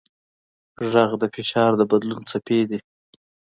غږ د فشار د بدلون څپې دي.